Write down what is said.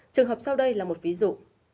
trường hợp sau đây là một ví dụ